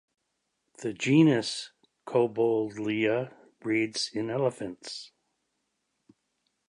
The genus "Cobboldia" breeds in elephants.